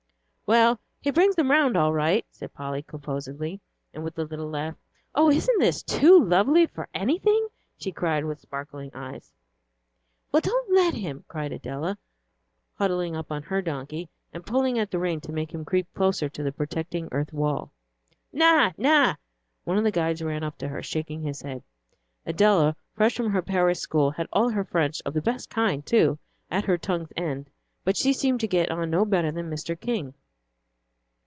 "Well, he brings them round all right," said Polly, composedly; and, with a little laugh, "Oh, isn't this too lovely for anything!" she cried, with sparkling eyes. "Well, don't let him," cried Adela, huddling up on her donkey, and pulling at the rein to make him creep closer to the protecting earth wall. "Na na," one of the guides ran up to her, shaking his head. Adela, fresh from her Paris school had all her French, of the best kind too, at her tongue's end, but she seemed to get on no better than Mr. King.